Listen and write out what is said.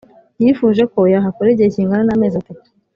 yifuje ko yahakora igihe kingana n'amezi atatu